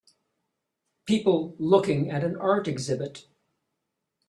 People looking at an art exhibit